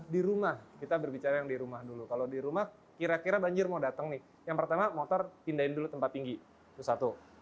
di rumah kita berbicara yang di rumah dulu kalau di rumah kira kira banjir mau datang nih yang pertama motor pindahin dulu tempat tinggi itu satu